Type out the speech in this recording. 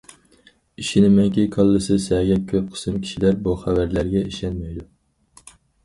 ئىشىنىمەنكى، كاللىسى سەگەك كۆپ قىسىم كىشىلەر بۇ خەۋەرلەرگە ئىشەنمەيدۇ.